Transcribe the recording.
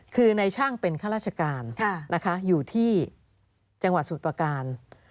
คือในช่างเป็นข้าราชการนะคะอยู่ที่จังหวัดสมุทรประการ